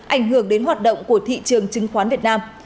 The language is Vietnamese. ảnh hưởng đến hoạt động của thị trường chứng khoán việt nam